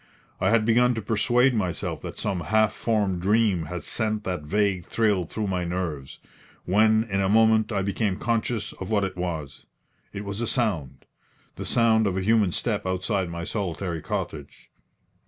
I had begun to persuade myself that some half formed dream had sent that vague thrill through my nerves, when in a moment I became conscious of what it was. It was a sound the sound of a human step outside my solitary cottage.